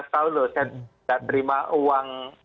enam belas tahun lho saya tidak terima uang